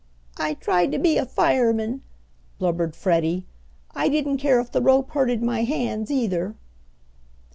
"I tried to be a fireman!" blubbered Freddie. "I didn't care if the rope hurted my hands either!"